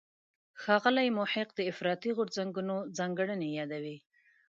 ښاغلی محق د افراطي غورځنګونو ځانګړنې یادوي.